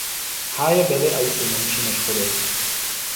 Háje byly a jsou menší než Chodov.